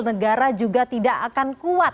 negara juga tidak akan kuat